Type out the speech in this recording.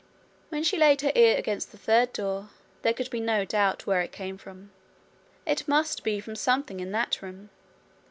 When she laid her ear against the third door, there could be no doubt where it came from: it must be from something in that room.